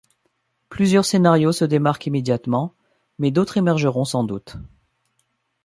Plusieurs scénarios se démarquent immédiatement, mais d’autres émergeront sans doute.